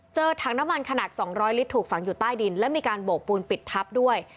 ถังน้ำมันขนาด๒๐๐ลิตรถูกฝังอยู่ใต้ดินและมีการโบกปูนปิดทับด้วย